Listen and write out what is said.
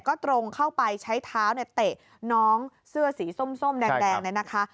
ก็ตรงเข้าไปใช้เท้าเนี่ยเตะน้องเสื้อสีส้มแดงเนี่ยนะคะ